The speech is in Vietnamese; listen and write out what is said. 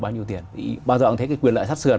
bao nhiêu tiền bao giờ cũng thấy cái quyền lợi sắt sườn